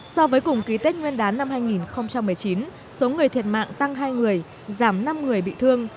so với cùng ký tết nguyên đán năm hai nghìn một mươi chín số người thiệt mạng tăng hai người giảm năm người bị thương